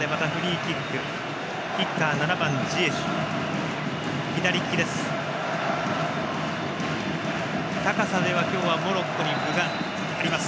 キッカー、７番のジエシュ左利きです。